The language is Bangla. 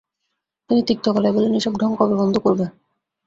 তিনি তিক্ত গলায় বলেন, এইসব ঢং কবে বন্ধ করবে?